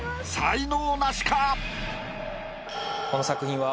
この作品は。